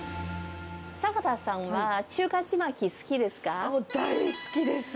坂田さんは、中華ちまき、もう大好きです。